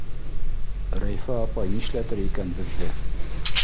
— Рәйфә апай нишләтер икән беҙҙе?!